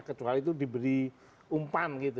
kecuali itu diberi umpan gitu